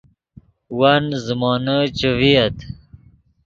ون زیمونے چے ڤییت